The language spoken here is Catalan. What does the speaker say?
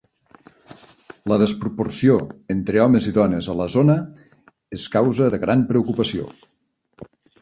La desproporció entre homes i dones a la zona és causa de gran preocupació.